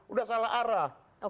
udah salah arah